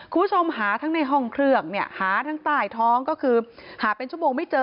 คุณผู้ชมหาทั้งในห้องเครื่องเนี่ยหาทั้งใต้ท้องก็คือหาเป็นชั่วโมงไม่เจอ